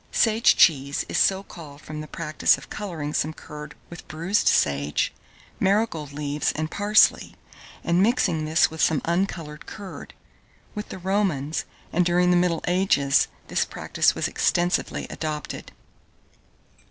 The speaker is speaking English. Sage cheese is so called from the practice of colouring some curd with bruised sage, marigold leaves, and parsley, and mixing this with some uncoloured curd. With the Romans, and during the middle ages, this practice was extensively adopted.